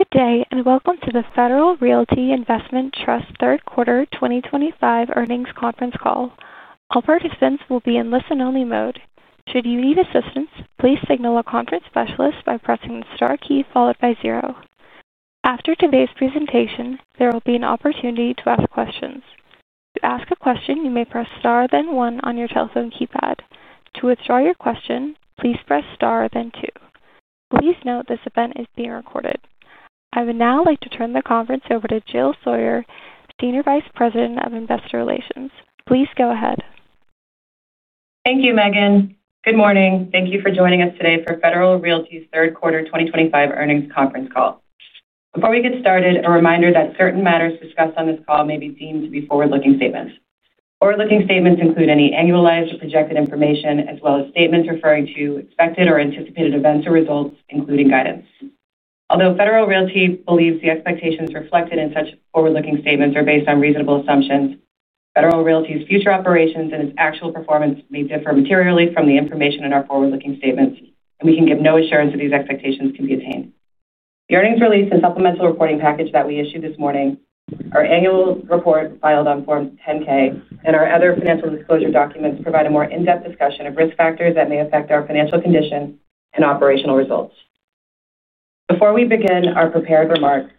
Good day and welcome to the Federal Realty Investment Trust third quarter 2025 earnings conference call. All participants will be in listen-only mode. Should you need assistance, please signal a conference specialist by pressing the star key followed by zero. After today's presentation, there will be an opportunity to ask questions. To ask a question, you may press star then one on your telephone keypad. To withdraw your question, please press star then two. Please note this event is being recorded. I would now like to turn the conference over to Jill Sawyer, Senior Vice President of Investor Relations. Please go ahead. Thank you, Megan. Good morning. Thank you for joining us today for Federal Realty Investment Trust's third quarter 2025 earnings conference call. Before we get started, a reminder that certain matters discussed on this call may be deemed to be forward-looking statements. Forward-looking statements include any annualized or projected information, as well as statements referring to expected or anticipated events or results, including guidance. Although Federal Realty Investment Trust believes the expectations reflected in such forward-looking statements are based on reasonable assumptions, Federal Realty Investment Trust's future operations and its actual performance may differ materially from the information in our forward-looking statements, and we can give no assurance that these expectations can be attained. The earnings release and supplemental reporting package that we issued this morning, our annual report filed on Form 10-K, and our other financial disclosure documents provide a more in-depth discussion of risk factors that may affect our financial condition and operational results. Before we begin our prepared remarks,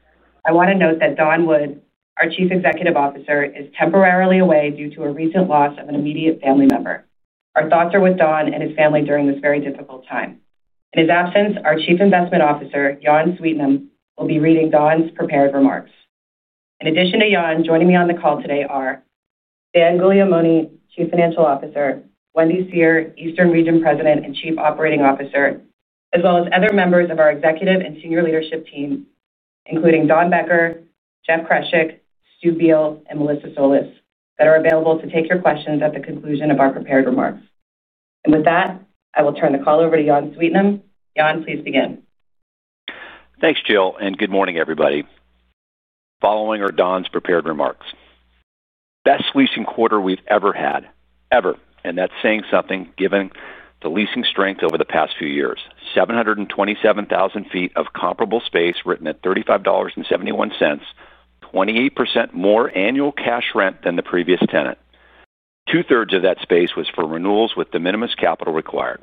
I want to note that Don Wood, our Chief Executive Officer, is temporarily away due to a recent loss of an immediate family member. Our thoughts are with Don and his family during this very difficult time. In his absence, our Chief Investment Officer, Jan Sweetnam, will be reading Don's prepared remarks. In addition to Jan, joining me on the call today are Dan Guglielmone, Chief Financial Officer, Wendy Seher, Eastern Region President and Chief Operating Officer, as well as other members of our executive and senior leadership team, including Dawn Becker, Jeff Berkes, Stuart Biel, and Melissa Solis, that are available to take your questions at the conclusion of our prepared remarks. With that, I will turn the call over to Jan Sweetnam. Jan, please begin. Thanks, Jill, and good morning, everybody. Following are Don's prepared remarks. Best leasing quarter we've ever had, ever, and that's saying something given the leasing strength over the past few years. 727,000 ft of comparable space written at $35.71. 28% more annual cash rent than the previous tenant. Two-thirds of that space was for renewals with de minimis capital required.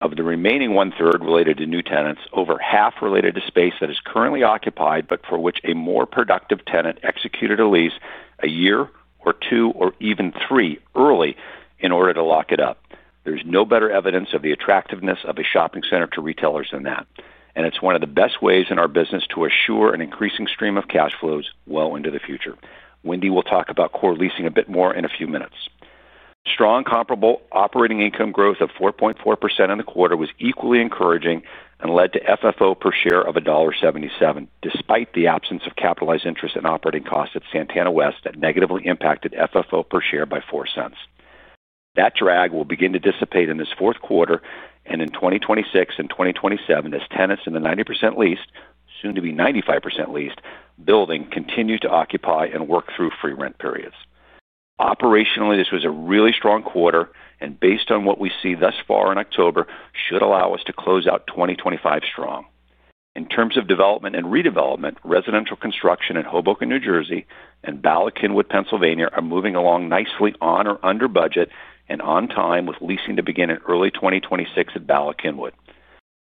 Of the remaining one-third related to new tenants, over half related to space that is currently occupied but for which a more productive tenant executed a lease a year or two or even three early in order to lock it up. There's no better evidence of the attractiveness of a shopping center to retailers than that, and it's one of the best ways in our business to assure an increasing stream of cash flows well into the future. Wendy will talk about core leasing a bit more in a few minutes. Strong comparable property operating income growth of 4.4% in the quarter was equally encouraging and led to FFO per share of $1.77, despite the absence of capitalized interest and operating costs at Santana West that negatively impacted FFO per share by $0.04. That drag will begin to dissipate in this fourth quarter, and in 2026 and 2027, as tenants in the 90% leased, soon to be 95% leased, building continue to occupy and work through free rent periods. Operationally, this was a really strong quarter, and based on what we see thus far in October, should allow us to close out 2025 strong. In terms of development and redevelopment, residential construction in Hoboken, New Jersey, and Bala Cynwyd, Pennsylvania, are moving along nicely on or under budget and on time with leasing to begin in early 2026 at Bala Cynwyd.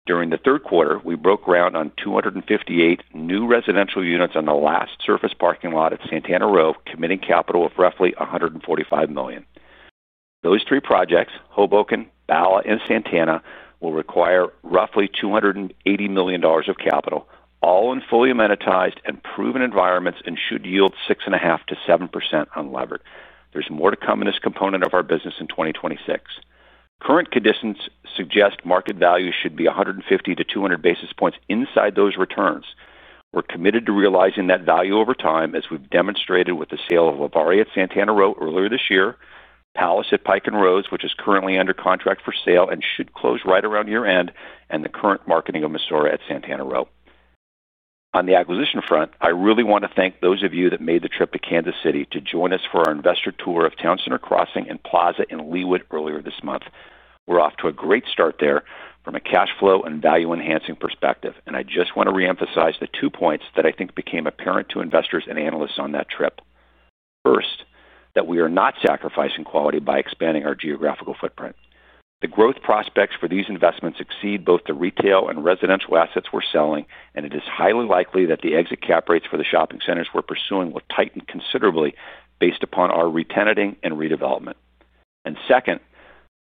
During the third quarter, we broke ground on 258 new residential units on the last surface parking lot at Santana Row, committing capital of roughly $145 million. Those three projects, Hoboken, Bala, and Santana, will require roughly $280 million of capital, all in fully amenitized and proven environments and should yield 6.5%-7% unlevered. There's more to come in this component of our business in 2026. Current conditions suggest market value should be 150 to 200 basis points inside those returns. We're committed to realizing that value over time, as we've demonstrated with the sale of Lavaria at Santana Row earlier this year, Palace at Pike and Rose, which is currently under contract for sale and should close right around year-end, and the current marketing of Messora at Santana Row. On the acquisition front, I really want to thank those of you that made the trip to Kansas City to join us for our investor tour of Town Center Crossing and Plaza in Leawood earlier this month. We're off to a great start there from a cash flow and value-enhancing perspective, and I just want to re-emphasize the two points that I think became apparent to investors and analysts on that trip. First, that we are not sacrificing quality by expanding our geographical footprint. The growth prospects for these investments exceed both the retail and residential assets we're selling, and it is highly likely that the exit cap rates for the shopping centers we're pursuing will tighten considerably based upon our re-tenanting and redevelopment. Second,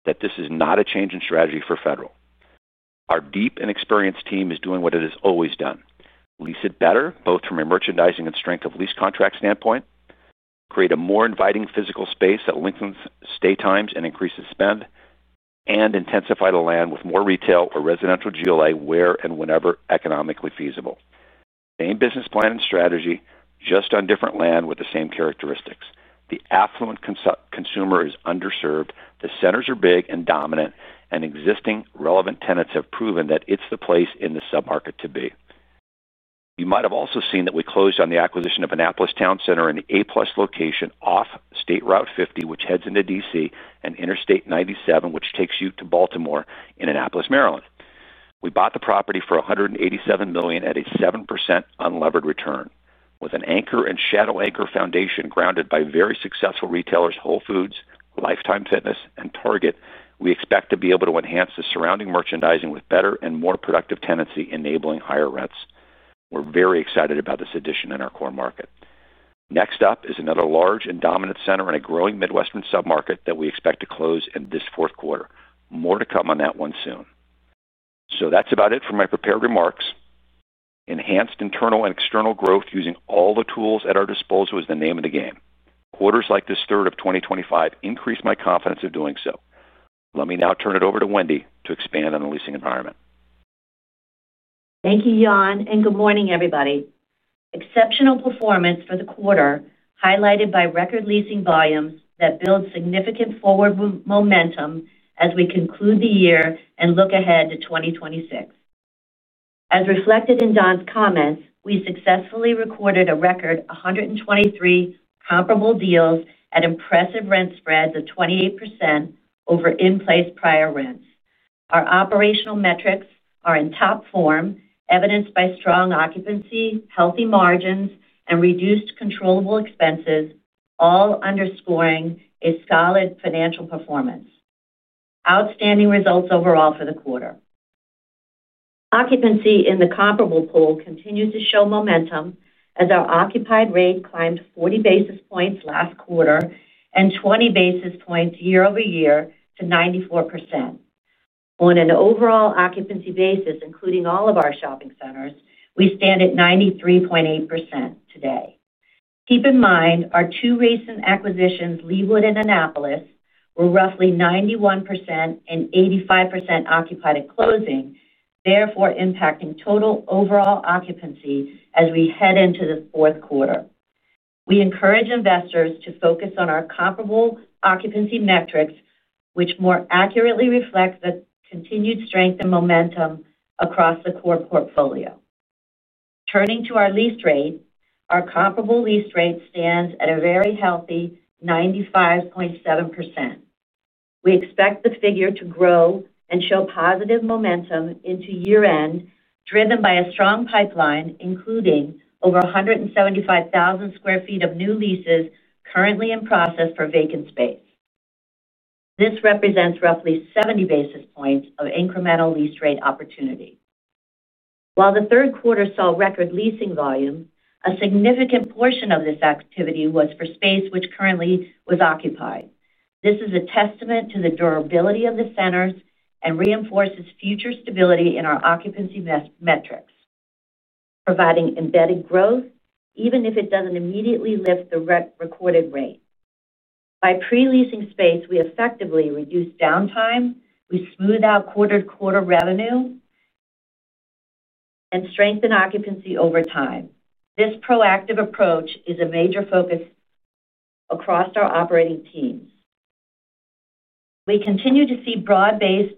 this is not a change in strategy for Federal Realty Investment Trust. Our deep and experienced team is doing what it has always done: lease it better, both from a merchandising and strength of lease contract standpoint, create a more inviting physical space that lengthens stay times and increases spend, and intensify the land with more retail or residential GLA where and whenever economically feasible. Same business plan and strategy, just on different land with the same characteristics. The affluent consumer is underserved, the centers are big and dominant, and existing relevant tenants have proven that it's the place in the submarket to be. You might have also seen that we closed on the acquisition of Annapolis Town Center in the A-plus location off State Route 50, which heads into DC, and Interstate 97, which takes you to Baltimore in Annapolis, Maryland. We bought the property for $187 million at a 7% unlevered return. With an anchor and shadow anchor foundation grounded by very successful retailers Whole Foods, Life Time Fitness, and Target, we expect to be able to enhance the surrounding merchandising with better and more productive tenancy, enabling higher rents. We're very excited about this addition in our core market. Next up is another large and dominant center in a growing Midwestern submarket that we expect to close in this fourth quarter. More to come on that one soon. That's about it for my prepared remarks. Enhanced internal and external growth using all the tools at our disposal is the name of the game. Quarters like this third of 2025 increase my confidence of doing so. Let me now turn it over to Wendy to expand on the leasing environment. Thank you, Jan, and good morning, everybody. Exceptional performance for the quarter highlighted by record leasing volumes that build significant forward momentum as we conclude the year and look ahead to 2026. As reflected in Don's comments, we successfully recorded a record 123 comparable deals at impressive rent spreads of 28% over in-place prior rents. Our operational metrics are in top form, evidenced by strong occupancy, healthy margins, and reduced controllable expenses, all underscoring a solid financial performance. Outstanding results overall for the quarter. Occupancy in the comparable pool continues to show momentum as our occupied rate climbed 40 basis points last quarter and 20 basis points year-over-year to 94%. On an overall occupancy basis, including all of our shopping centers, we stand at 93.8% today. Keep in mind our two recent acquisitions, Leawood and Annapolis, were roughly 91% and 85% occupied at closing, therefore impacting total overall occupancy as we head into the fourth quarter. We encourage investors to focus on our comparable occupancy metrics, which more accurately reflect the continued strength and momentum across the core portfolio. Turning to our lease rate, our comparable lease rate stands at a very healthy 95.7%. We expect the figure to grow and show positive momentum into year-end, driven by a strong pipeline, including over 175,000 square feet of new leases currently in process for vacant space. This represents roughly 70 basis points of incremental lease rate opportunity. While the third quarter saw record leasing volumes, a significant portion of this activity was for space which currently was occupied. This is a testament to the durability of the centers and reinforces future stability in our occupancy metrics, providing embedded growth, even if it doesn't immediately lift the recorded rate. By pre-leasing space, we effectively reduce downtime, we smooth out quarter-to-quarter revenue, and strengthen occupancy over time. This proactive approach is a major focus across our operating teams. We continue to see broad-based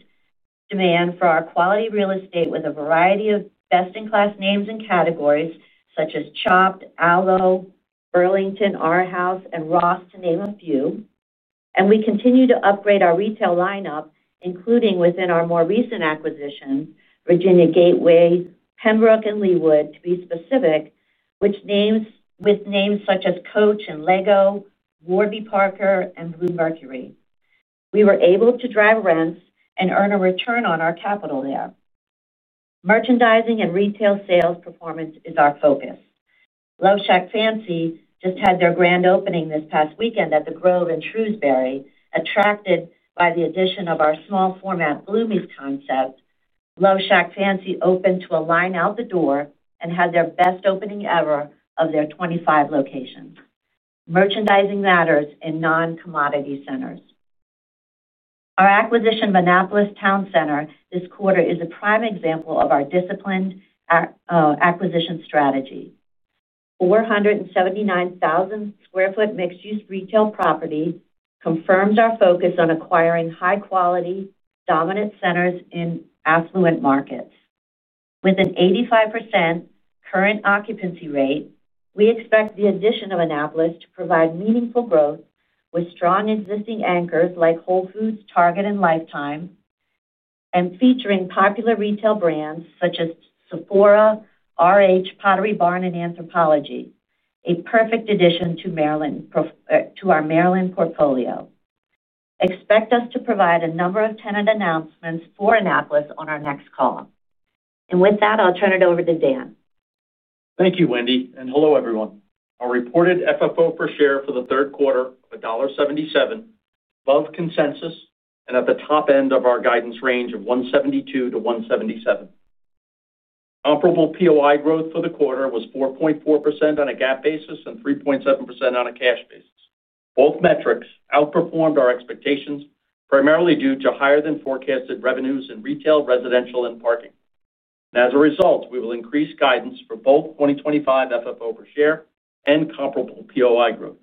demand for our quality real estate with a variety of best-in-class names and categories such as Chopt, Alo, Burlington, Our House, and Ross, to name a few, and we continue to upgrade our retail lineup, including within our more recent acquisitions, Virginia Gateway, Pembroke, and Leawood, to be specific, with names such as Coach and Lego, Warby Parker, and Bluemercury. We were able to drive rents and earn a return on our capital there. Merchandising and retail sales performance is our focus. LoveShackFancy just had their grand opening this past weekend at The Grove in Shrewsbury. Attracted by the addition of our small-format Bluemercury concept, LoveShackFancy opened to a line out the door and had their best opening ever of their 25 locations. Merchandising matters in non-commodity centers. Our acquisition, Annapolis Town Center, this quarter is a prime example of our disciplined acquisition strategy. The 479,000 square foot mixed-use retail property confirms our focus on acquiring high-quality, dominant centers in affluent markets. With an 85% current occupancy rate, we expect the addition of Annapolis to provide meaningful growth with strong existing anchors like Whole Foods, Target, and Life Time, and featuring popular retail brands such as Sephora, RH, Pottery Barn, and Anthropologie, a perfect addition to our Maryland portfolio. We expect to provide a number of tenant announcements for Annapolis on our next call. With that, I'll turn it over to Dan. Thank you, Wendy. And hello, everJane. Our reported FFO per share for the third quarter of $1.77, above consensus and at the top end of our guidance range of $1.72-$1.77. Comparable POI growth for the quarter was 4.4% on a GAAP basis and 3.7% on a cash basis. Both metrics outperformed our expectations, primarily due to higher-than-forecasted revenues in retail, residential, and parking. As a result, we will increase guidance for both 2025 FFO per share and comparable POI growth.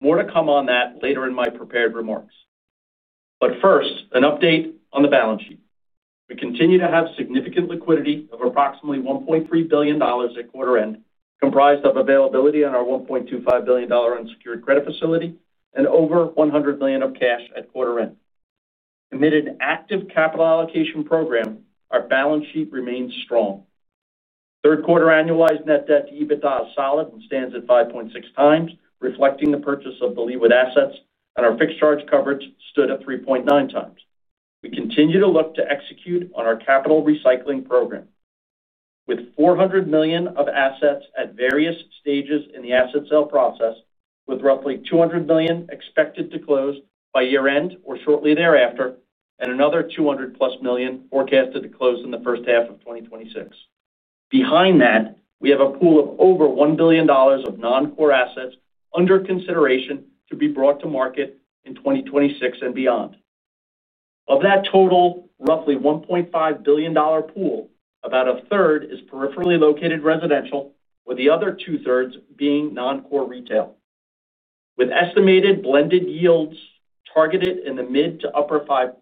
More to come on that later in my prepared remarks. First, an update on the balance sheet. We continue to have significant liquidity of approximately $1.3 billion at quarter-end, comprised of availability on our $1.25 billion unsecured credit facility and over $100 million of cash at quarter-end. Committed active capital allocation program. Our balance sheet remains strong. Third-quarter annualized net debt to EBITDA is solid and stands at 5.6 times, reflecting the purchase of the Leawood assets, and our fixed charge coverage stood at 3.9 times. We continue to look to execute on our capital recycling program, with $400 million of assets at various stages in the asset sale process, with roughly $200 million expected to close by year-end or shortly thereafter, and another $200+ million forecasted to close in the first half of 2026. Behind that, we have a pool of over $1 billion of non-core assets under consideration to be brought to market in 2026 and beyond. Of that total, roughly $1.5 billion pool, about a third is peripherally located residential, with the other two-thirds being non-core retail, with estimated blended yields targeted in the mid to upper 5%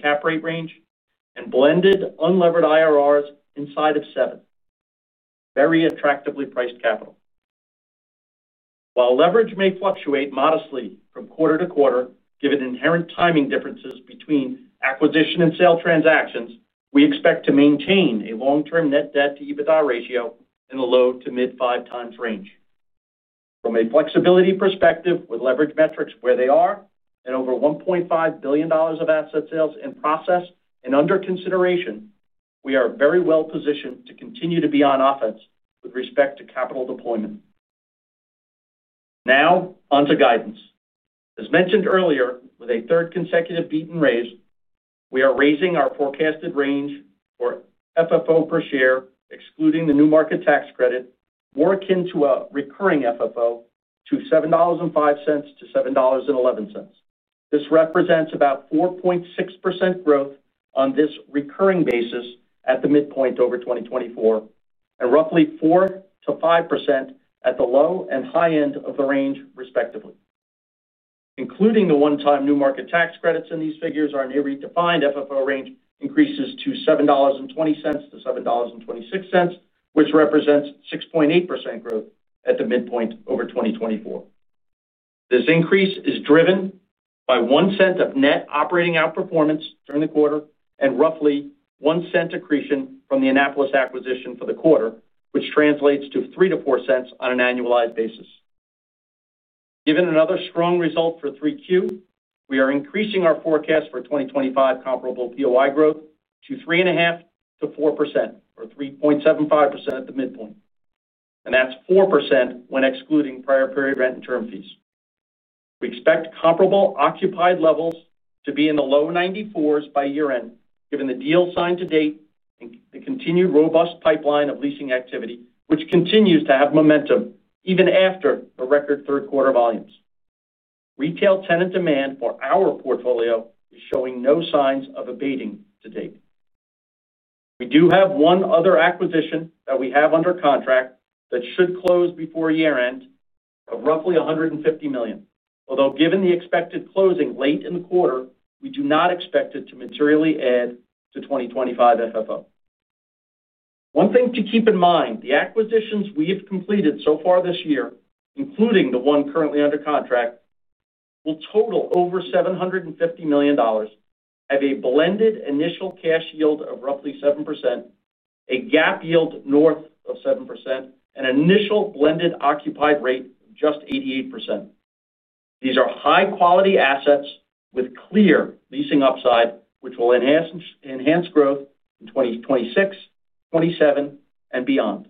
cap rate range and blended unlevered IRRs inside of 7%. Very attractively priced capital. While leverage may fluctuate modestly from quarter to quarter, given inherent timing differences between acquisition and sale transactions, we expect to maintain a long-term net debt to EBITDA ratio in the low to mid-5 times range. From a flexibility perspective, with leverage metrics where they are and over $1.5 billion of asset sales in process and under consideration, we are very well positioned to continue to be on offense with respect to capital deployment. Now, onto guidance. As mentioned earlier, with a third consecutive beat and raise, we are raising our forecasted range for FFO per share, excluding the new markets tax credit, more akin to a recurring FFO, to $7.05-$7.11. This represents about 4.6% growth on this recurring basis at the midpoint over 2024 and roughly 4%-5% at the low and high end of the range, respectively. Including the one-time new markets tax credits in these figures, our newly defined FFO range increases to $7.20-$7.26, which represents 6.8% growth at the midpoint over 2024. This increase is driven by $0.01 of net operating outperformance during the quarter and roughly $0.01 accretion from the Annapolis acquisition for the quarter, which translates to $0.03-$0.04 on an annualized basis. Given another strong result for 3Q, we are increasing our forecast for 2025 comparable POI growth to 3.5%-4%, or 3.75% at the midpoint. That is 4% when excluding prior period rent and term fees. We expect comparable occupied levels to be in the low 94s by year-end, given the deals signed to date and the continued robust pipeline of leasing activity, which continues to have momentum even after the record third-quarter volumes. Retail tenant demand for our portfolio is showing no signs of abating to date. We do have one other acquisition that we have under contract that should close before year-end of roughly $150 million, although given the expected closing late in the quarter, we do not expect it to materially add to 2025 FFO. One thing to keep in mind, the acquisitions we have completed so far this year, including the one currently under contract, will total over $750 million, have a blended initial cash yield of roughly 7%, a GAAP yield north of 7%, and initial blended occupied rate of just 88%. These are high-quality assets with clear leasing upside, which will enhance growth in 2026, 2027, and beJand.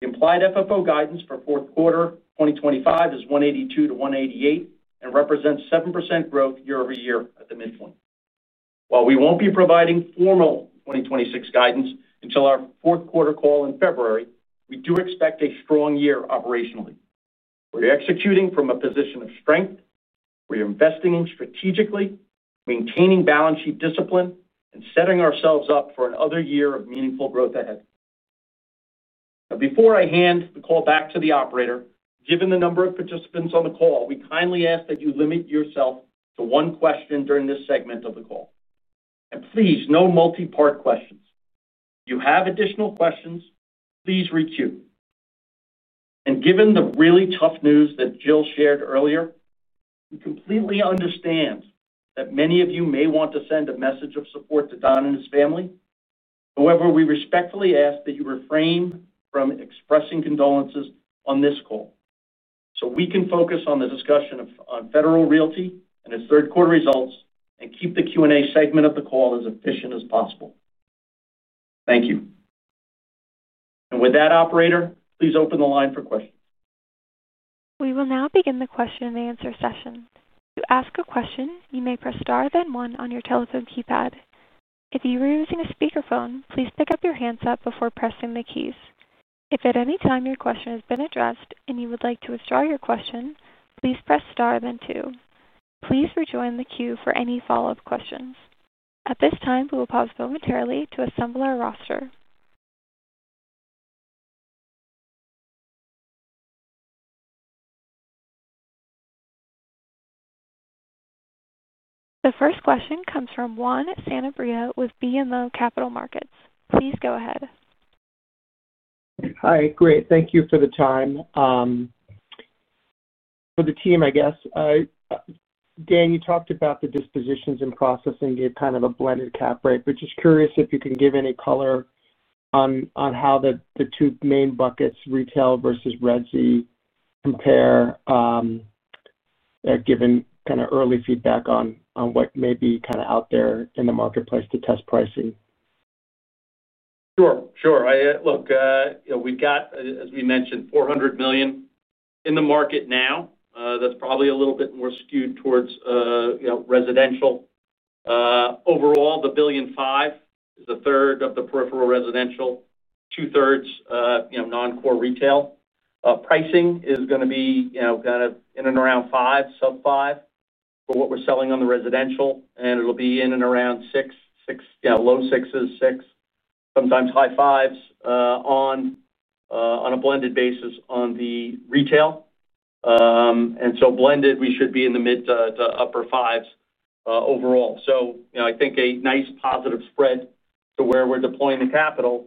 The implied FFO guidance for fourth quarter 2025 is $1.82-$1.88 and represents 7% growth year-over-year at the midpoint. While we won't be providing formal 2026 guidance until our fourth quarter call in February, we do expect a strong year operationally. We're executing from a position of strength. We're investing in strategically, maintaining balance sheet discipline, and setting ourselves up for another year of meaningful growth ahead. Now, before I hand the call back to the operator, given the number of participants on the call, we kindly ask that you limit yourself to one question during this segment of the call. Please, no multi-part questions. If you have additional questions, please reach you. Given the really tough news that Jill shared earlier, we completely understand that many of you may want to send a message of support to Don and his family. However, we respectfully ask that you refrain from expressing condolences on this call, so we can focus on the discussion of Federal Realty Investment Trust and its third-quarter results and keep the Q&A segment of the call as efficient as possible. Thank you. With that, operator, please open the line for questions. We will now begin the question-and-answer session. To ask a question, you may press star then one on your telephone keypad. If you are using a speakerphone, please pick up your handset before pressing the keys. If at any time your question has been addressed and you would like to withdraw your question, please press star then two. Please rejoin the queue for any follow-up questions. At this time, we will pause momentarily to assemble our roster. The first question comes from Juan Sanabria with BMO Capital Markets. Please go ahead. Hi. Great. Thank you for the time. For the team, I guess. Dan, you talked about the dispositions and processing, gave kind of a blended cap rate, but just curious if you can give any color on how the two main buckets, retail versus Red Sea, compare, given kind of early feedback on what may be kind of out there in the marketplace to test pricing. Sure. Look, we've got, as we mentioned, $400 million in the market now. That's probably a little bit more skewed towards residential. Overall, the $1.5 billion is a third of the peripheral residential, two-thirds non-core retail. Pricing is going to be kind of in and around 5%, sub-5% for what we're selling on the residential, and it'll be in and around 6%, low sixes, 6%, sometimes high fives on a blended basis on the retail. Blended, we should be in the mid to upper fives overall. I think a nice positive spread to where we're deploying the capital,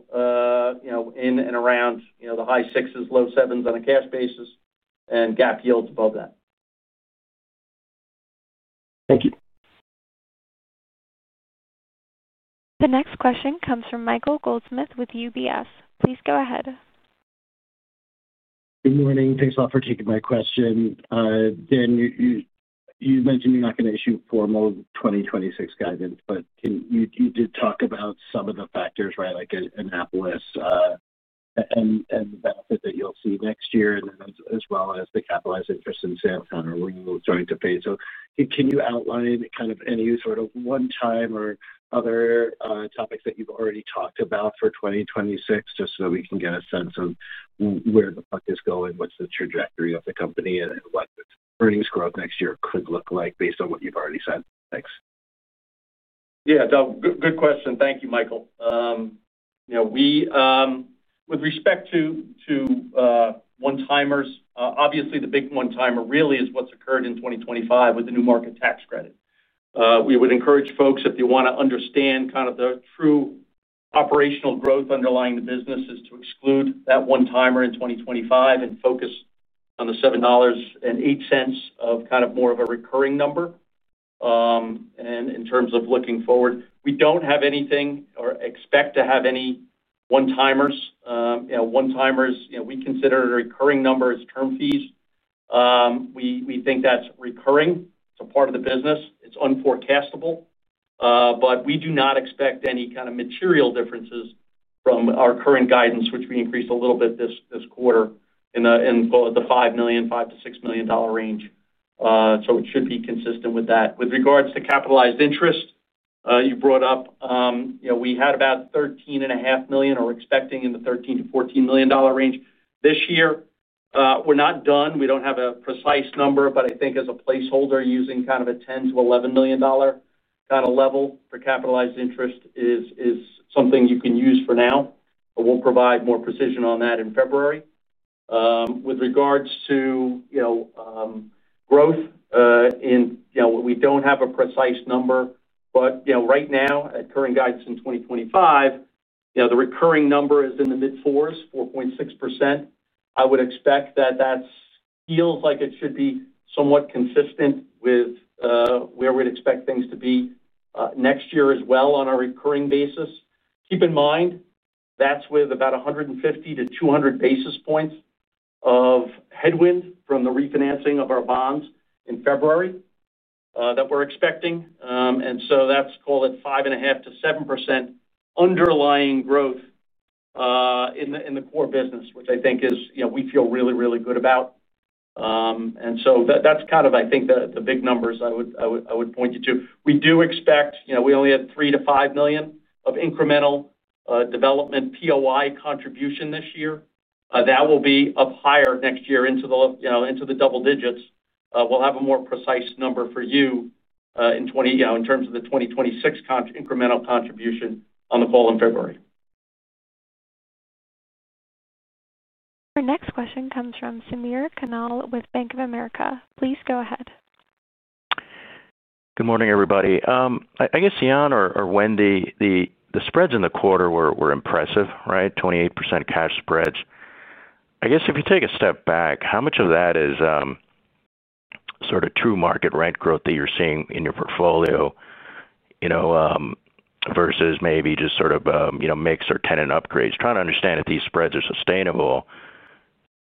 in and around the high sixes, low sevens on a cash basis, and GAAP yields above that. Thank you. The next question comes from Michael Goldsmith with UBS. Please go ahead. Good morning. Thanks a lot for taking my question. Dan, you mentioned you're not going to issue formal 2026 guidance, but you did talk about some of the factors, like Annapolis and the benefit that you'll see next year, as well as the capitalized interest in San Antonio, where you'll start to pay. Can you outline any sort of one-time or other topics that you've already talked about for 2026, just so that we can get a sense of where the market is going, what's the trajectory of the company, and what earnings growth next year could look like based on what you've already said? Thanks. Yeah. Good question. Thank you, Michael. With respect to one-timers, obviously, the big one-timer really is what's occurred in 2025 with the new markets tax credit. We would encourage folks, if you want to understand kind of the true operational growth underlying the business, to exclude that one-timer in 2025 and focus on the $7.08 of kind of more of a recurring number. In terms of looking forward, we don't have anything or expect to have any one-timers. One-timers, we consider a recurring number as term fees. We think that's recurring. It's a part of the business. It's unforecastable. We do not expect any kind of material differences from our current guidance, which we increased a little bit this quarter in the $5 million, $5 million-$6 million range. It should be consistent with that. With regards to capitalized interest, you brought up, we had about $13.5 million or expecting in the $13 million-$14 million range this year. We're not done. We don't have a precise number, but I think as a placeholder, using kind of a $10 million-$11 million kind of level for capitalized interest is something you can use for now. We'll provide more precision on that in February. With regards to growth, we don't have a precise number, but right now, at current guidance in 2025, the recurring number is in the mid-4s, 4.6%. I would expect that that feels like it should be somewhat consistent with where we'd expect things to be next year as well on a recurring basis. Keep in mind, that's with about 150 to 200 basis points of headwind from the refinancing of our bonds in February that we're expecting. That's, call it, 5.5%-7% underlying growth in the core business, which I think we feel really, really good about. That's kind of, I think, the big numbers I would point you to. We do expect we only had $3 to $5 million of incremental development POI contribution this year. That will be up higher next year into the double digits. We'll have a more precise number for you in terms of the 2026 incremental contribution on the call in February. Our next question comes from Samir Khanal with Bank of America. Please go ahead. Good morning, everybody. I guess, Sean or Wendy, the spreads in the quarter were impressive, right? 28% cash spreads. I guess if you take a step back, how much of that is sort of true market rent growth that you're seeing in your portfolio versus maybe just sort of mix or tenant upgrades? Trying to understand if these spreads are sustainable,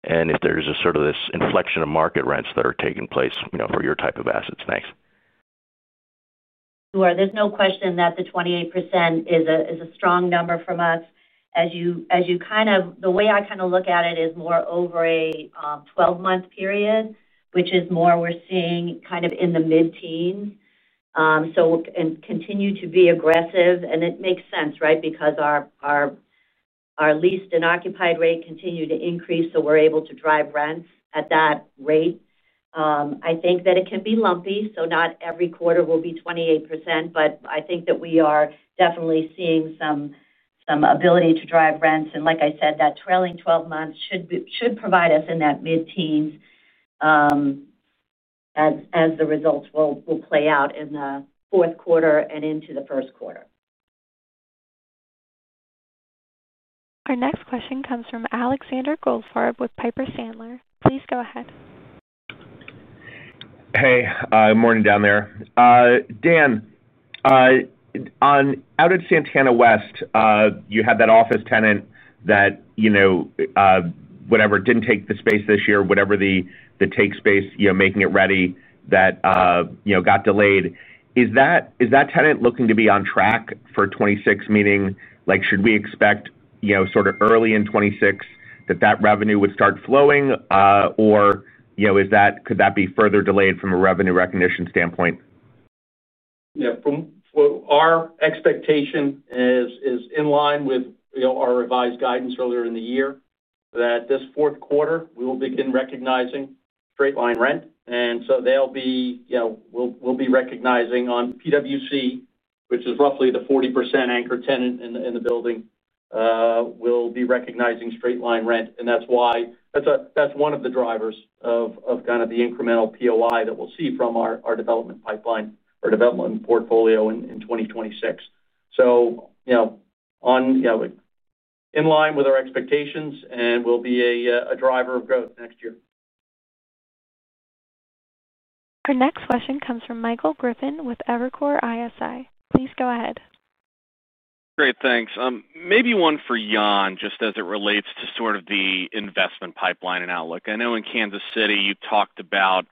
and if there's sort of this inflection of market rents that are taking place for your type of assets. Thanks. Sure. There's no question that the 28% is a strong number from us. The way I kind of look at it is more over a 12-month period, which is more we're seeing kind of in the mid-teens. We continue to be aggressive. It makes sense, right, because our leased and occupied rate continue to increase, so we're able to drive rents at that rate. I think that it can be lumpy, so not every quarter will be 28%, but I think that we are definitely seeing some ability to drive rents. Like I said, that trailing 12 months should provide us in that mid-teens as the results will play out in the fourth quarter and into the first quarter. Our next question comes from Alexander Goldfarb with Piper Sandler. Please go ahead. Hey. Good morning down there, Dan. Out at Santana West, you had that office tenant that didn't take the space this year, making it ready, that got delayed. Is that tenant looking to be on track for 2026, meaning should we expect early in 2026 that revenue would start flowing, or could that be further delayed from a revenue recognition standpoint? Yeah. Our expectation is in line with our revised guidance earlier in the year that this fourth quarter, we will begin recognizing straight-line rent. We will be recognizing on PwC, which is roughly the 40% anchor tenant in the building. We'll be recognizing straight-line rent. That's one of the drivers of the incremental POI that we'll see from our development pipeline or development portfolio in 2026. In line with our expectations, we'll be a driver of growth next year. Our next question comes from Michael Griffin with Evercore ISI. Please go ahead. Great. Thanks. Maybe one for Jan, just as it relates to sort of the investment pipeline and outlook. I know in Kansas City, you talked about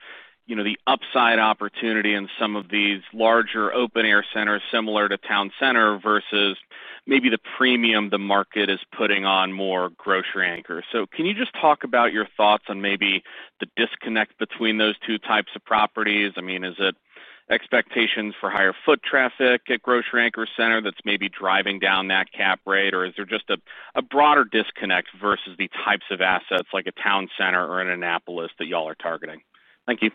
the upside opportunity in some of these larger open-air centers similar to Town Center versus maybe the premium the market is putting on more Grocery Anchor. Can you just talk about your thoughts on maybe the disconnect between those two types of properties? I mean, is it expectations for higher foot traffic at Grocery Anchor Center that's maybe driving down that cap rate, or is there just a broader disconnect versus the types of assets like a Town Center or an Annapolis that y'all are targeting? Thank you.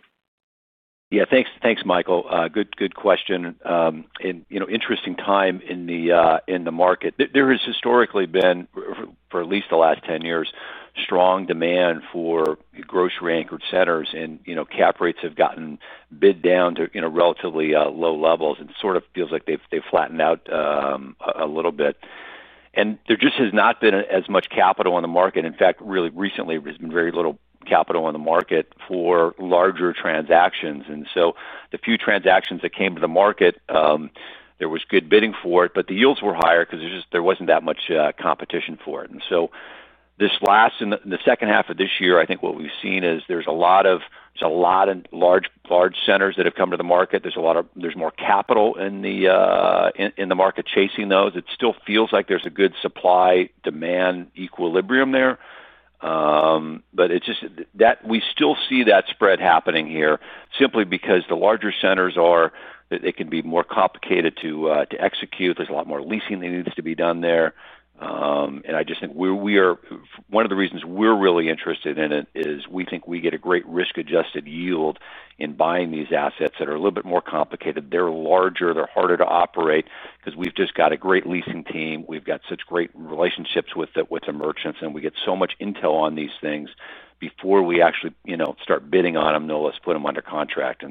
Yeah. Thanks, Michael. Good question. Interesting time in the market. There has historically been, for at least the last 10 years, strong demand for Grocery Anchor centers, and cap rates have gotten bid down to relatively low levels. It sort of feels like they've flattened out a little bit. There just has not been as much capital on the market. In fact, really recently, there's been very little capital on the market for larger transactions. The few transactions that came to the market, there was good bidding for it, but the yields were higher because there wasn't that much competition for it. This last, in the second half of this year, I think what we've seen is there's a lot of large centers that have come to the market. There's more capital in the market chasing those. It still feels like there's a good supply-demand equilibrium there. We still see that spread happening here simply because the larger centers can be more complicated to execute. There's a lot more leasing that needs to be done there. I just think we are one of the reasons we're really interested in it is we think we get a great risk-adjusted yield in buying these assets that are a little bit more complicated. They're larger. They're harder to operate because we've just got a great leasing team. We've got such great relationships with the merchants, and we get so much intel on these things before we actually start bidding on them, let's put them under contract.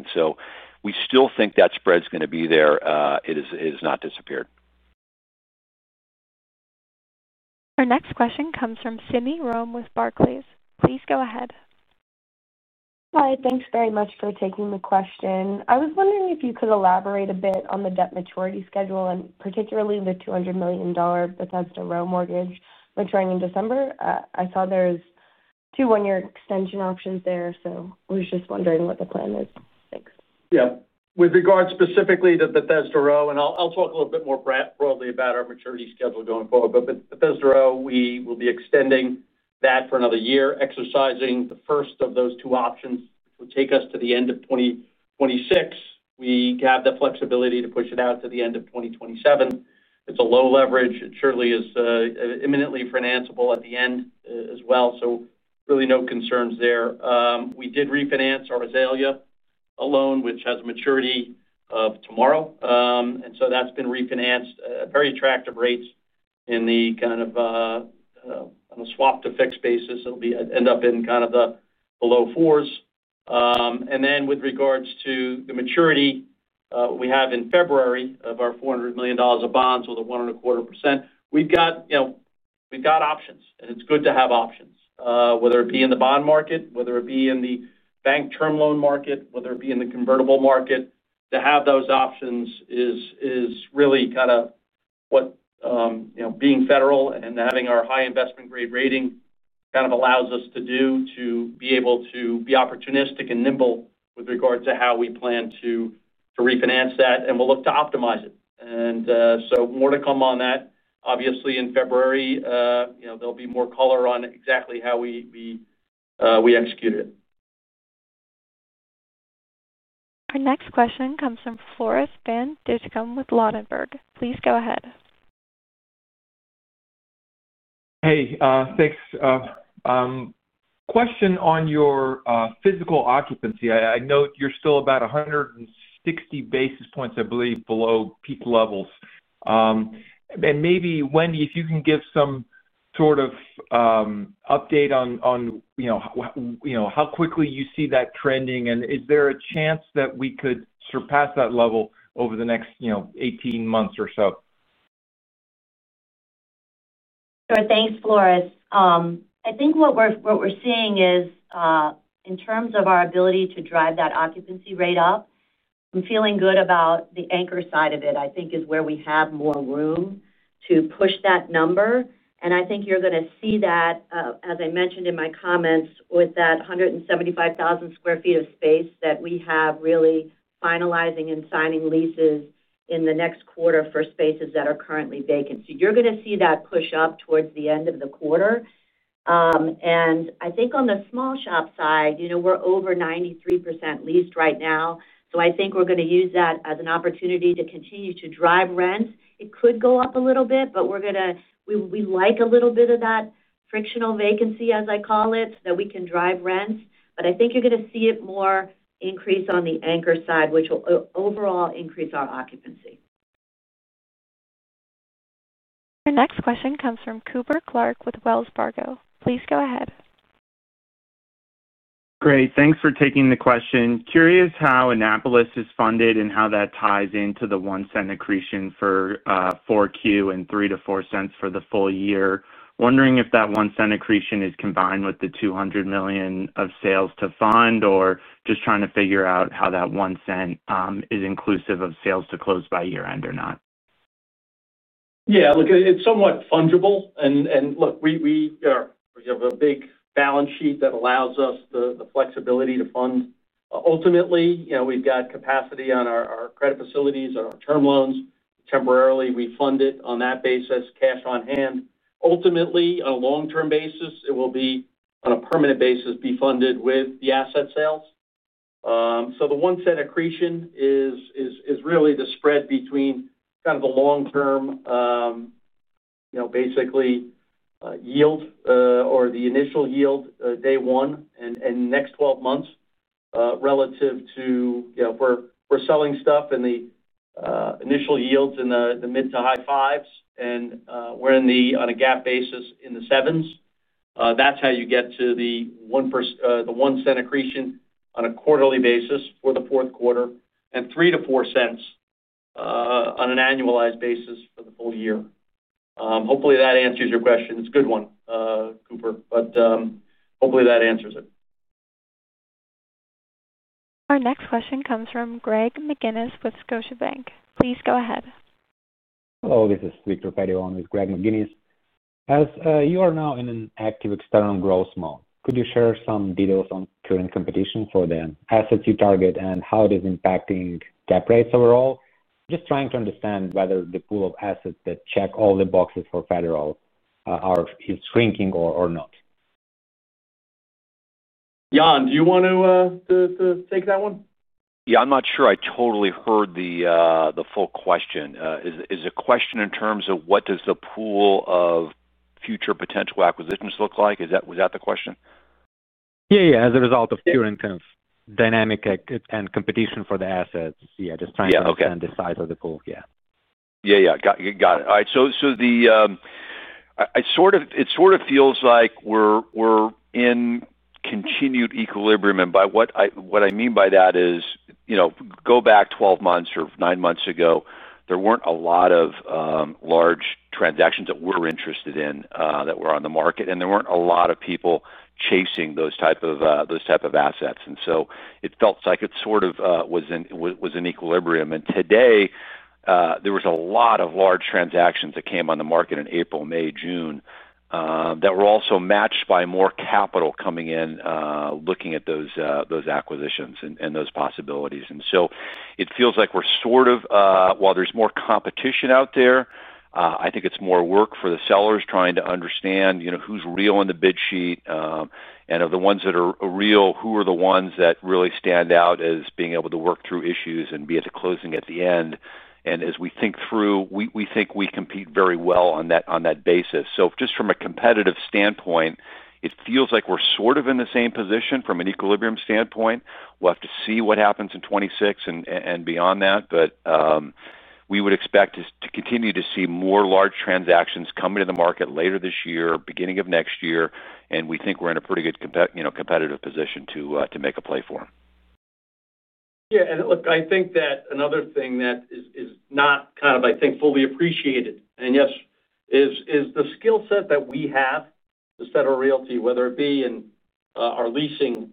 We still think that spread's going to be there. It has not disappeared. Our next question comes from Simi Rome with Barclays. Please go ahead. Hi. Thanks very much for taking the question. I was wondering if you could elaborate a bit on the debt maturity schedule and particularly the $200 million Bethesda Row mortgage maturing in December. I saw there's two one-year extension options there, so I was just wondering what the plan is. Thanks. Yeah. With regard specifically to Bethesda Row, and I'll talk a little bit more broadly about our maturity schedule going forward, with Bethesda Row, we will be extending that for another year, exercising the first of those two options, which will take us to the end of 2026. We have the flexibility to push it out to the end of 2027. It's a low leverage. It surely is imminently financeable at the end as well. Really no concerns there. We did refinance our Azalea loan, which has a maturity of tomorrow. That's been refinanced at very attractive rates. On a swap-to-fix basis, it'll end up in the low fours. With regards to the maturity we have in February of our $400 million of bonds with a 1.25%, we've got options. It's good to have options, whether it be in the bond market, whether it be in the bank term loan market, whether it be in the convertible market. To have those options is really what being Federal and having our high investment-grade rating allows us to do, to be able to be opportunistic and nimble with regard to how we plan to refinance that, and we'll look to optimize it. More to come on that. Obviously, in February, there'll be more color on exactly how we execute it. Our next question comes from Floris van Dijkum with Ladenburg. Please go ahead. Hey, thanks. Question on your physical occupancy. I note you're still about 160 basis points, I believe, below peak levels. Maybe, Wendy, if you can give some sort of update on how quickly you see that trending, and is there a chance that we could surpass that level over the next 18 months or so? Sure. Thanks, Floris. I think what we're seeing is, in terms of our ability to drive that occupancy rate up, I'm feeling good about the anchor side of it. I think it is where we have more room to push that number. I think you're going to see that, as I mentioned in my comments, with that 175,000 square feet of space that we have really finalizing and signing leases in the next quarter for spaces that are currently vacant. You're going to see that push up towards the end of the quarter. I think on the small shop side, we're over 93% leased right now. I think we're going to use that as an opportunity to continue to drive rents. It could go up a little bit, but we like a little bit of that frictional vacancy, as I call it, that we can drive rents. I think you're going to see it more increase on the anchor side, which will overall increase our occupancy. Our next question comes from Cooper Clark with Wells Fargo. Please go ahead. Great. Thanks for taking the question. Curious how Annapolis is funded and how that ties into the $0.01 accretion for 4Q and $0.03-$0.04 for the full year. Wondering if that $0.01 accretion is combined with the $200 million of sales to fund or just trying to figure out how that $0.01 is inclusive of sales to close by year-end or not. Yeah. Look, it's somewhat fungible. We have a big balance sheet that Alows us the flexibility to fund. Ultimately, we've got capacity on our credit facilities, on our term loans. Temporarily, we fund it on that basis, cash on hand. Ultimately, on a long-term basis, it will be, on a permanent basis, funded with the asset sales. The $0.01 accretion is really the spread between kind of the long-term yield or the initial yield day one and next 12 months relative to we're selling stuff in the initial yields in the mid to high 5%, and we're on a GAAP basis in the 7%. That's how you get to the $0.01 accretion on a quarterly basis for the fourth quarter and $0.03-$0.04 on an annualized basis for the full year. Hopefully, that answers your question. It's a good one, Cooper, but hopefully, that answers it. Our next question comes from Greg McGinniss with Scotiabank. Please go ahead. Hello. This is Victor Fedeone with Greg McGinniss. As you are now in an active external growth mode, could you share some details on current competition for the assets you target and how it is impacting cap rates overall? Just trying to understand whether the pool of assets that check all the boxes for Federal Realty Investment Trust is shrinking or not. Jan, do you want to take that one? Yeah, I'm not sure I totally heard the full question. Is the question in terms of what does the pool of future potential acquisitions look like? Was that the question? As a result of current kind of dynamic and competition for the assets, just trying to understand the size of the pool. Got it. All right. It sort of feels like we're in continued equilibrium. By what I mean by that is, go back 12 months or 9 months ago, there weren't a lot of large transactions that we're interested in that were on the market, and there weren't a lot of people chasing those types of assets. It felt like it sort of was in equilibrium. Today, there were a lot of large transactions that came on the market in April, May, June that were also matched by more capital coming in looking at those acquisitions and those possibilities. It feels like we're sort of, while there's more competition out there, I think it's more work for the sellers trying to understand who's real on the bid sheet. Of the ones that are real, who are the ones that really stand out as being able to work through issues and be at the closing at the end? As we think through, we think we compete very well on that basis. Just from a competitive standpoint, it feels like we're sort of in the same position from an equilibrium standpoint. We'll have to see what happens in 2026 and beJand that. We would expect to continue to see more large transactions coming to the market later this year, beginning of next year. We think we're in a pretty good competitive position to make a play for them. Yeah. I think that another thing that is not kind of, I think, fully appreciated is the skill set that we have with Federal Realty, whether it be in our leasing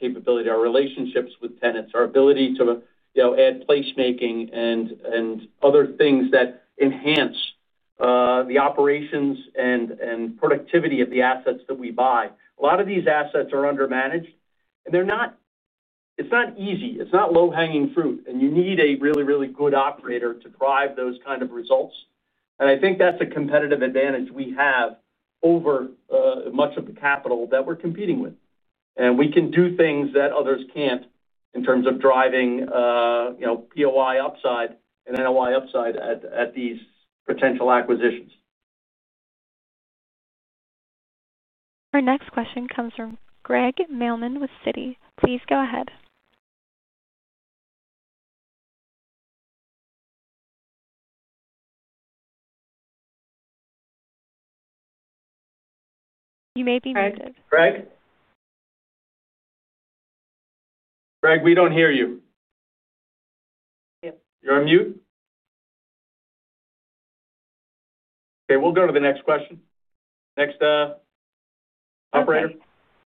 capability, our relationships with tenants, our ability to add placemaking, and other things that enhance the operations and productivity of the assets that we buy. A lot of these assets are undermanaged. It's not easy. It's not low-hanging fruit. You need a really, really good operator to drive those kind of results. I think that's a competitive advantage we have over much of the capital that we're competing with. We can do things that others can't in terms of driving POI upside and NOI upside at these potential acquisitions. Our next question comes from Craig Mailman with Citi. Please go ahead. You may be muted. Greg? Greg, we don't hear you. You're on mute. Okay, we'll go to the next question. Next, Operator?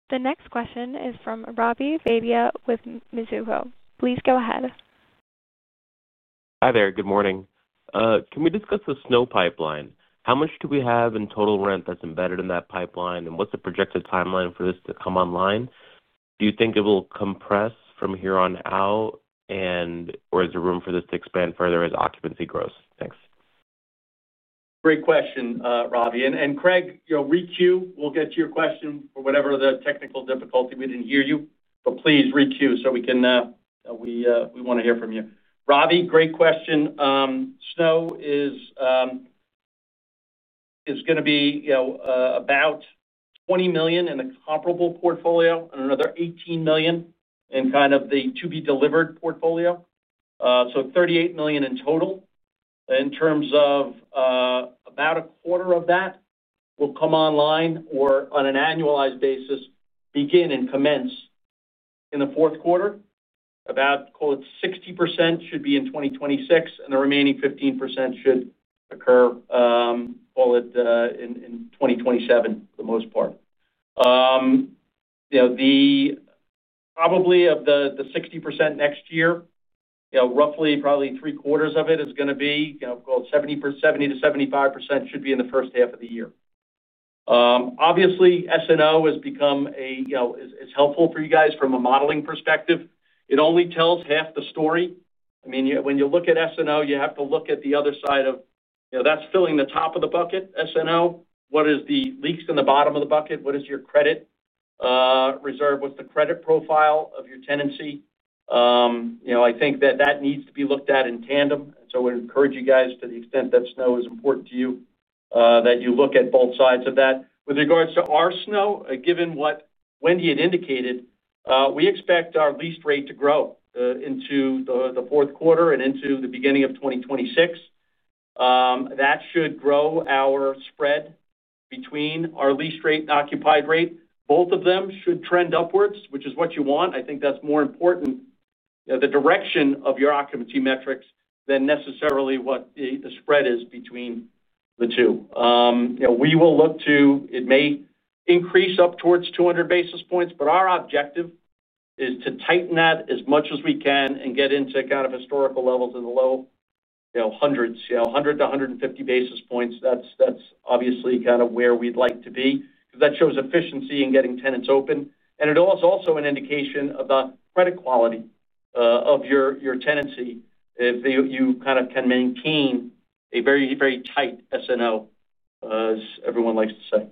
The next question is from Robbie Vega with Mizuho. Please go ahead. Hi there. Good morning. Can we discuss the snow pipeline? How much do we have in total rent that's embedded in that pipeline, and what's the projected timeline for this to come online? Do you think it will compress from here on out, or is there room for this to expand further as occupancy grows? Thanks. Great question, Robbie. Greg, re-queue. We'll get to your question for whatever the technical difficulty. We didn't hear you, but please re-queue so we can. We want to hear from you. Robbie, great question. S&O is going to be about $20 million in the comparable portfolio and another $18 million in the to-be-delivered portfolio, so $38 million in total. In terms of about a quarter of that, it will come online or, on an annualized basis, begin and commence in the fourth quarter. About 60% should be in 2026, and the remaining 15% should occur in 2027 for the most part. Of the 60% next year, probably roughly three-quarters of it, 70%-75%, should be in the first half of the year. Obviously, S&O has become helpful for you guys from a modeling perspective. It only tells half the story. When you look at S&O, you have to look at the other side of that, filling the top of the bucket, S&O. What are the leaks in the bottom of the bucket? What is your credit reserve? What's the credit profile of your tenancy? I think that needs to be looked at in tandem. We encourage you guys, to the extent that S&O is important to you, to look at both sides of that. With regards to our S&O, given what Wendy had indicated, we expect our lease rate to grow into the fourth quarter and into the beginning of 2026. That should grow our spread between our lease rate and occupied rate. Both of them should trend upwards, which is what you want. I think that's more important, the direction of your occupancy metrics, than necessarily what the spread is between the two. We will look to it may increase up towards 200 basis points, but our objective is to tighten that as much as we can and get into historical levels in the low hundreds, 100 to 150 basis points. That's where we'd like to be because that shows efficiency in getting tenants open. It is also an indication of the credit quality of your tenancy if you can maintain a very, very tight S&O, as everJane likes to say.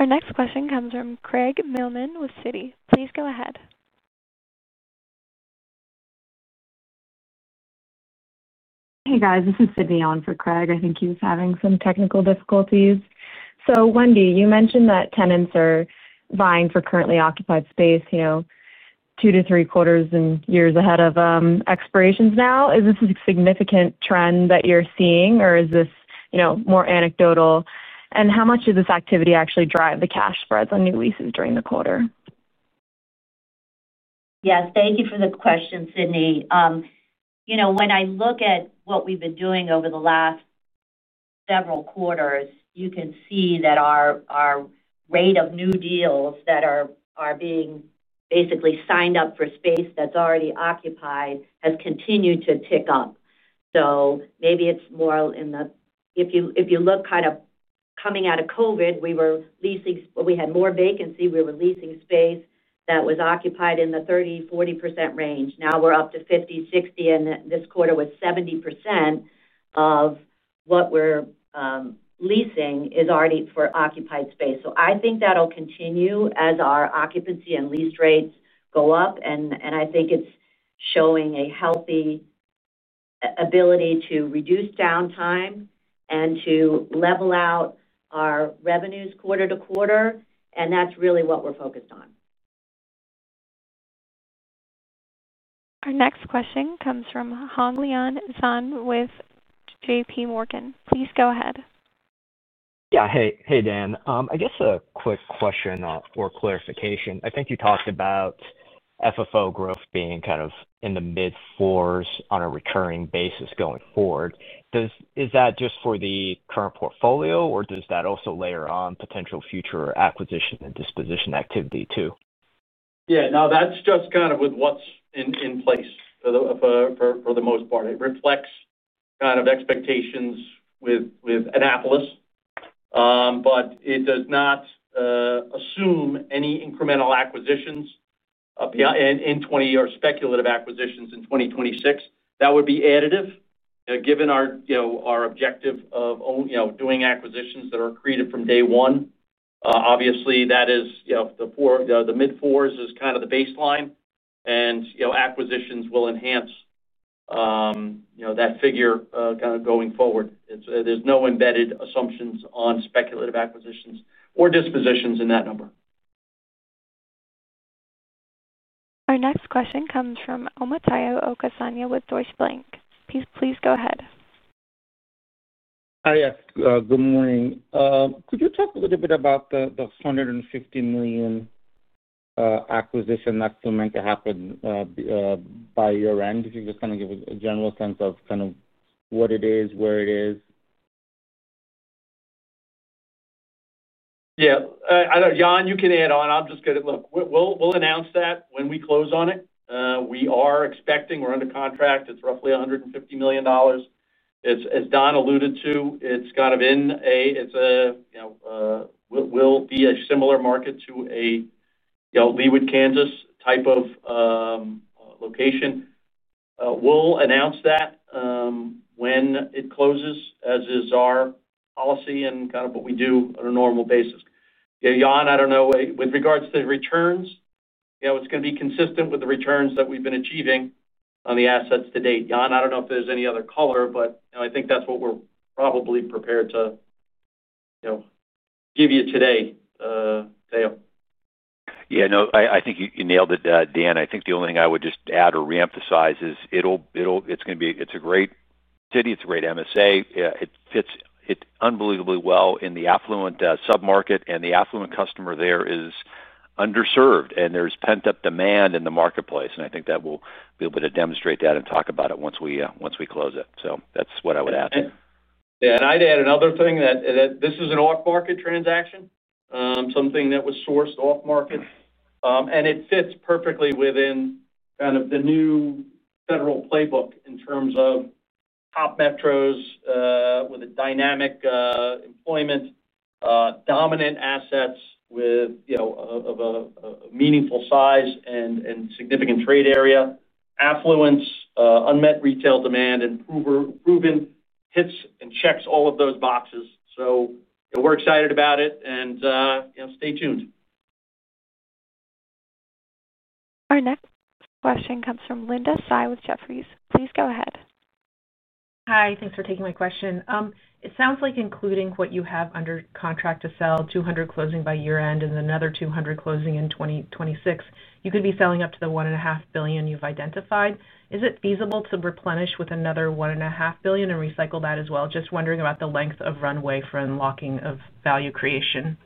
Our next question comes from Craig Mailman with Citi. Please go ahead. Hey, guys. This is Sydney on for Craig. I think he was having some technical difficulties. Wendy, you mentioned that tenants are buying for currently occupied space two to three quarters and years ahead of expirations now. Is this a significant trend that you're seeing, or is this more anecdotal? How much does this activity actually drive the cash spreads on new leases during the quarter? Yes. Thank you for the question, Sydney. When I look at what we've been doing over the last several quarters, you can see that our rate of new deals that are being basically signed up for space that's already occupied has continued to tick up. If you look kind of coming out of COVID, we had more vacancy. We were leasing space that was occupied in the 30%-40% range. Now we're up to 50%, 60%, and this quarter was 70%. Of what we're leasing is already for occupied space. I think that'll continue as our occupancy and lease rates go up. I think it's showing a healthy ability to reduce downtime and to level out our revenues quarter to quarter. That's really what we're focused on. Our next question comes from Hong Leon Zhan with JPMorgan. Please go ahead. Yeah. Hey, Dan. I guess a quick question or clarification. I think you talked about FFO growth being kind of in the mid 4% on a recurring basis going forward. Is that just for the current portfolio, or does that also layer on potential future acquisition and disposition activity too? Yeah. No, that's just kind of with what's in place. For the most part, it reflects kind of expectations with Annapolis. It does not assume any incremental acquisitions in 2024 or speculative acquisitions in 2026. That would be additive. Given our objective of doing acquisitions that are created from day one, obviously, the mid 4% is kind of the baseline, and acquisitions will enhance that figure going forward. There's no embedded assumptions on speculative acquisitions or dispositions in that number. Our next question comes from Omotayo Okusanya with Deutsche Bank. Please go ahead. Hi. Good morning. Could you talk a little bit about the $150 million acquisition that's going to happen by year end? If you just kind of give a general sense of what it is, where it is. Yeah. Jan, you can add on. I'm just going to look. We'll announce that when we close on it. We are expecting, we're under contract. It's roughly $150 million. As Don alluded to, it will be a similar market to a Leawood, Kansas type of location. We'll announce that when it closes, as is our policy and kind of what we do on a normal basis. Jan, I don't know. With regards to returns, it's going to be consistent with the returns that we've been achieving on the assets to date. Jan, I don't know if there's any other color, but I think that's what we're probably prepared to give you today. Dale. Yeah, no, I think you nailed it, Dan. I think the only thing I would just add or re-emphasize is it's going to be a great city. It's a great MSA. It fits unbelievably well in the affluent submarket, and the affluent customer there is underserved, and there's pent-up demand in the marketplace. I think that we'll be able to demonstrate that and talk about it once we close it. That's what I would add. Yeah. I'd add another thing that this is an off-market transaction, something that was sourced off-market. It fits perfectly within kind of the new Federal playbook in terms of top metros with a dynamic employment, dominant assets with a meaningful size and significant trade area, affluence, unmet retail demand, and proven hits and checks all of those boxes. We're excited about it, and stay tuned. Our next question comes from Linda Tsai with Jefferies. Please go ahead. Hi. Thanks for taking my question. It sounds like including what you have under contract to sell, $200 million closing by year-end, and another $200 million closing in 2026, you could be selling up to the $1.5 billion you've identified. Is it feasible to replenish with another $1.5 billion and recycle that as well? Just wondering about the length of runway for unlocking of value creation.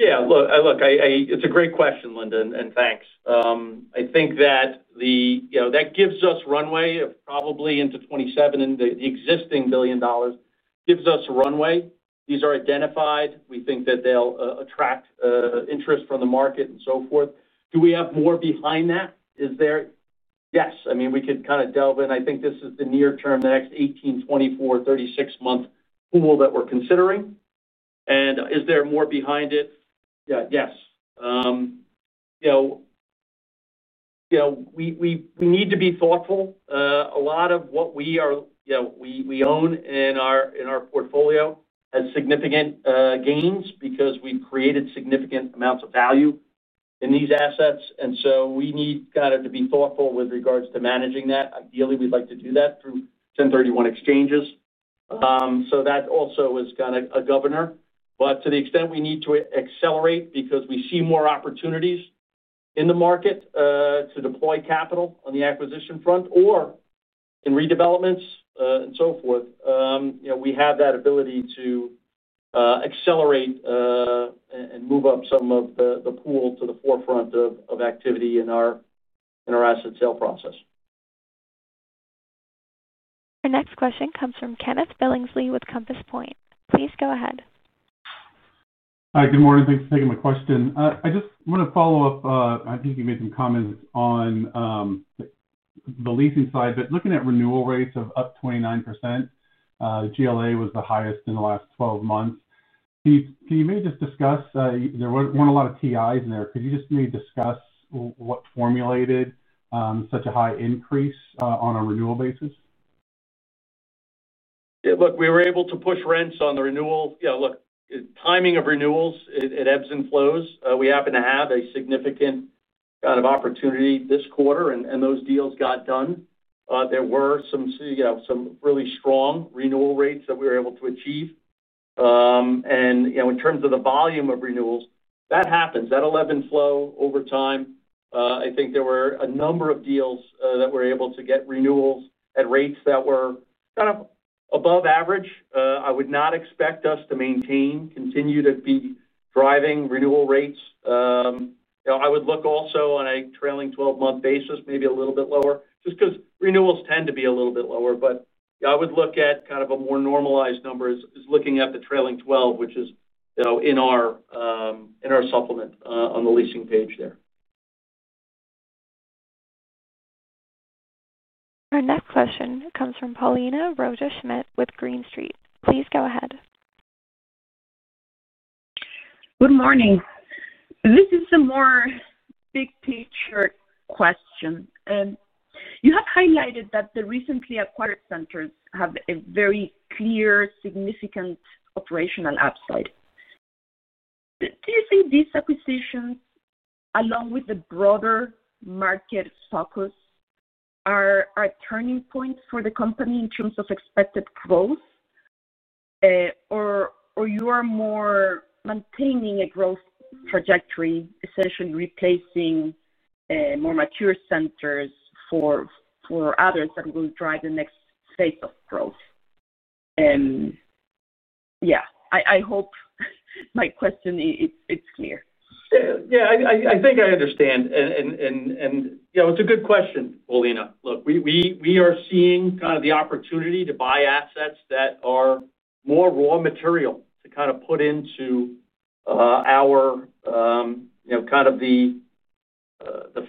Yeah. Look, it's a great question, Linda, and thanks. I think that gives us runway of probably into 2027, and the existing $1 billion gives us runway. These are identified. We think that they'll attract interest from the market and so forth. Do we have more behind that? Yes. I mean, we could kind of delve in. I think this is the near-term, the next 18, 24, 36-month pool that we're considering. Is there more behind it? Yes. We need to be thoughtful. A lot of what we own in our portfolio has significant gains because we've created significant amounts of value in these assets. We need to be thoughtful with regards to managing that. Ideally, we'd like to do that through 1031 exchanges. That also is kind of a governor. To the extent we need to accelerate because we see more opportunities in the market to deploy capital on the acquisition front or in redevelopments and so forth, we have that ability to accelerate and move up some of the pool to the forefront of activity in our asset sale process. Our next question comes from Kenneth Billingsley with Compass Point. Please go ahead. Hi. Good morning. Thanks for taking my question. I just want to follow up. I think you made some comments on the leasing side, but looking at renewal rates of up 29%. GLA was the highest in the last 12 months. Can you maybe just discuss there weren't a lot of TIs in there? Could you just maybe discuss what formulated such a high increase on a renewal basis? Yeah. Look, we were able to push rents on the renewal. Timing of renewals, it ebbs and flows. We happen to have a significant kind of opportunity this quarter, and those deals got done. There were some really strong renewal rates that we were able to achieve. In terms of the volume of renewals, that happens. That'll ebb and flow over time. I think there were a number of deals that were able to get renewals at rates that were kind of above average. I would not expect us to maintain, continue to be driving renewal rates. I would look also on a trailing 12-month basis, maybe a little bit lower, just because renewals tend to be a little bit lower. I would look at kind of a more normalized number is looking at the trailing 12, which is in our supplement on the leasing page there. Our next question comes from Paulina Rojas Schmidt with Green Street. Please go ahead. Good morning. This is a more big-picture question. You have highlighted that the recently acquired centers have a very clear, significant operational upside. Do you think these acquisitions, along with the broader market focus, are turning points for the company in terms of expected growth, or are you more maintaining a growth trajectory, essentially replacing more mature centers for others that will drive the next phase of growth? I hope my question is clear. Yeah. I think I understand. It's a good question, Paulina. Look, we are seeing kind of the opportunity to buy assets that are more raw material to put into our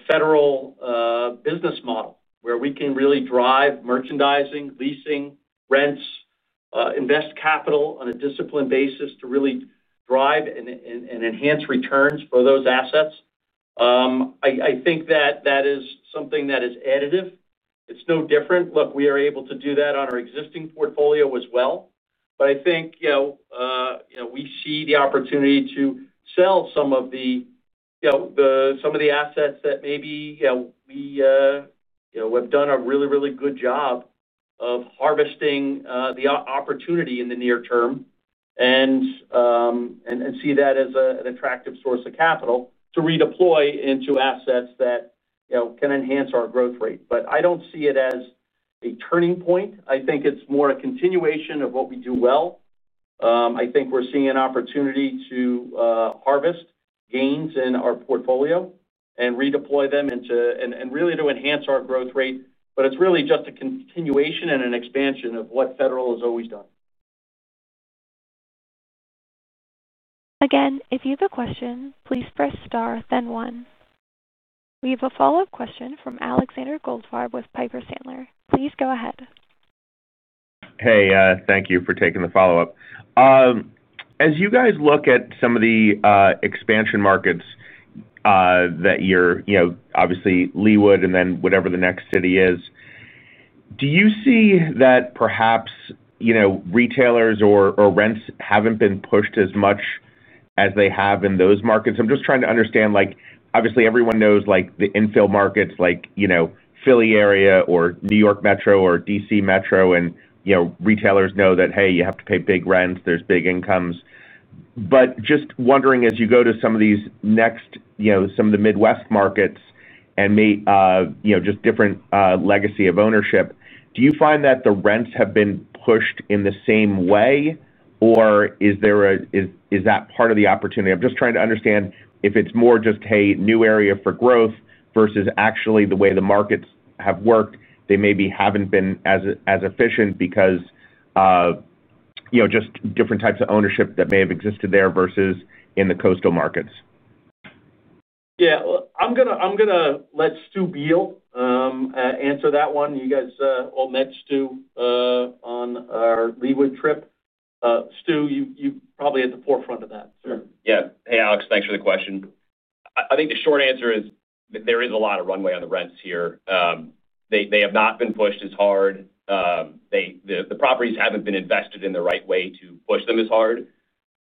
Federal Realty Investment Trust business model where we can really drive merchandising, leasing, rents, invest capital on a disciplined basis to really drive and enhance returns for those assets. I think that is something that is additive. It's no different. We are able to do that on our existing portfolio as well. I think we see the opportunity to sell some of the assets that maybe we have done a really, really good job of harvesting the opportunity in the near term and see that as an attractive source of capital to redeploy into assets that can enhance our growth rate. I don't see it as a turning point. I think it's more a continuation of what we do well. I think we're seeing an opportunity to harvest gains in our portfolio and redeploy them and really to enhance our growth rate. It's really just a continuation and an expansion of what Federal Realty Investment Trust has always done. Again, if you have a question, please press star, then one. We have a follow-up question from Alexander Goldfarb with Piper Sandler. Please go ahead. Hey, thank you for taking the follow-up. As you guys look at some of the expansion markets that you're obviously Leeward and then whatever the next city is, do you see that perhaps retailers or rents haven't been pushed as much as they have in those markets? I'm just trying to understand. Obviously, everJane knows the infill markets like Philly area or New York Metro or DC Metro, and retailers know that, hey, you have to pay big rents. There's big incomes. Just wondering, as you go to some of these next, some of the Midwest markets and just different legacy of ownership, do you find that the rents have been pushed in the same way, or is that part of the opportunity? I'm just trying to understand if it's more just, hey, new area for growth versus actually the way the markets have worked, they maybe haven't been as efficient because of just different types of ownership that may have existed there versus in the coastal markets. Yeah, I'm going to let Stuart Biel answer that one. You guys all met Stuart on our Leeward trip. Stuart, you're probably at the forefront of that, sir. Yeah. Hey, Alex, thanks for the question. I think the short answer is there is a lot of runway on the rents here. They have not been pushed as hard. The properties haven't been invested in the right way to push them as hard.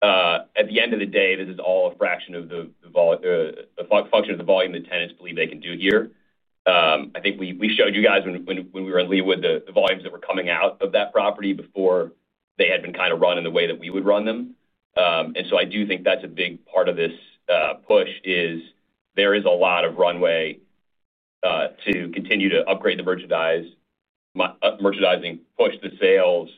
At the end of the day, this is all a fraction of the function of the volume the tenants believe they can do here. I think we showed you guys when we were in Leeward the volumes that were coming out of that property before they had been kind of run in the way that we would run them. I do think that's a big part of this push. There is a lot of runway to continue to upgrade the merchandising, push the sales,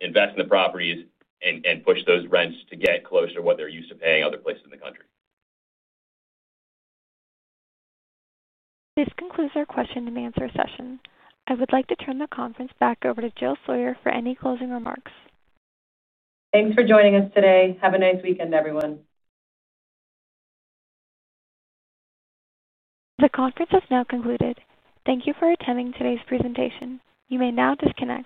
invest in the properties, and push those rents to get closer to what they're used to paying other places in the country. This concludes our question-and-answer session. I would like to turn the conference back over to Jill Sawyer for any closing remarks. Thanks for joining us today. Have a nice weekend, everJane. The conference has now concluded. Thank you for attending today's presentation. You may now disconnect.